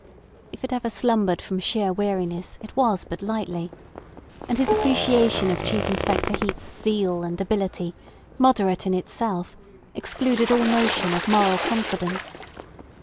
If it ever slumbered from sheer weariness, it was but lightly; and his appreciation of Chief Inspector Heat's zeal and ability, moderate in itself, excluded all notion of moral confidence.